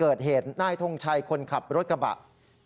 เพราะถูกทำร้ายเหมือนการบาดเจ็บเนื้อตัวมีแผลถลอก